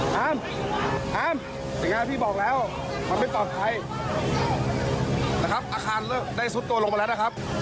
สิ่งงานที่บอกแล้วมันเป็นต่อใครนะครับอาคารได้สุดตัวลงมาแล้วนะครับ